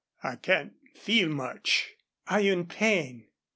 I can't feel much." "Are you in pain?"